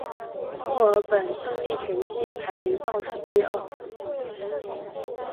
墨尔本胜利全季排名倒数第二。